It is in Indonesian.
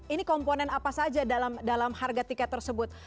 ini komponen apa saja dalam harga tiket tersebut